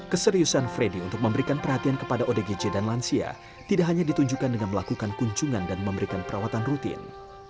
keseriusan freddy untuk memberikan perhatian kepada odgj dan lansia tidak hanya ditunjukkan dengan melakukan kunjungan dan memberikan perawatan rutin